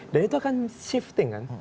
dan itu akan shifting kan